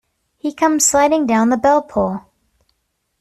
He comes sliding down the bell-pull.